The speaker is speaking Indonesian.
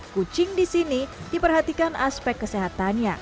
kucing di sini diperhatikan aspek kesehatannya